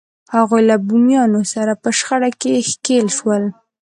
هغوی له بومیانو سره په شخړه کې ښکېل شول.